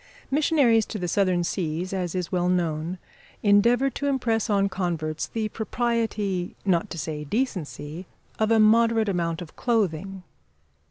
Missionaries to the Southern seas, as is well known, endeavour to impress on converts the propriety, not to say decency, of a moderate amount of clothing.